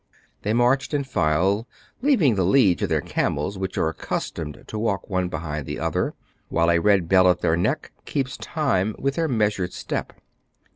They marched in file, leaving the lead to their camels, which are accustomed to walk one behind the other, while a red bell at their neck keeps time with their measured step.